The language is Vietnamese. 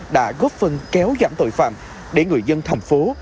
đã góp phần kéo giảm tội phạm để người dân thành phố